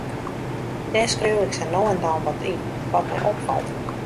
Dêr skriuw ik sa no en dan wat yn, wat my opfalt.